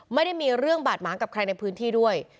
ไม่ได้มีเรื่องบาดหมางกับใครในพื้นที่ด้วย